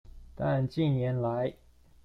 但近年來